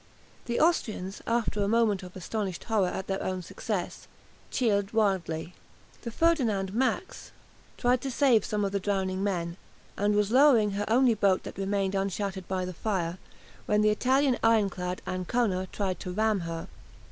The Austrians, after a moment of astonished horror at their own success, cheered wildly. The "Ferdinand Max" tried to save some of the drowning men, and was lowering her only boat that remained unshattered by the fire, when the Italian ironclad "Ancona" tried to ram her.